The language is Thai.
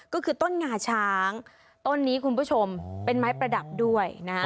ก็คือต้นงาช้างต้นนี้คุณผู้ชมเป็นไม้ประดับด้วยนะฮะ